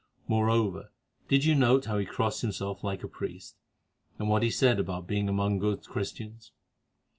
Moreover, did you note how he crossed himself like a priest, and what he said about being among good Christians?